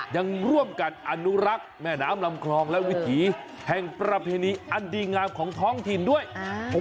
ยังร่วมกันอนุรักษ์แม่น้ำลำคลองและวิถีแห่งประเพณีอันดีงามของท้องถิ่นด้วยอ่า